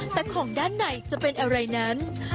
แต่ของด้านในจะเป็นอะไรนั้น